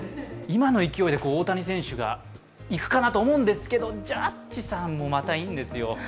今の勢いで大谷選手がいくかなと思うんですけどジャッジさんもまたいいんですよ。